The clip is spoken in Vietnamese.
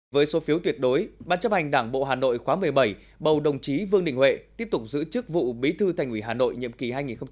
với số phiếu tuyệt đối ban chấp hành đảng bộ hà nội khóa một mươi bảy bầu đồng chí vương đình huệ tiếp tục giữ chức vụ bí thư thành ủy hà nội nhiệm kỳ hai nghìn hai mươi hai nghìn hai mươi năm